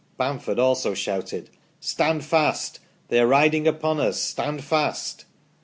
Bamford also shouted :" Stand fast ! they are riding upon us : Stand fast